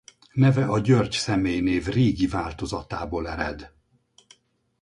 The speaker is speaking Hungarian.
Neve a György személynév régi változatából ered.